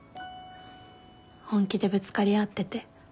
本気でぶつかり合ってて。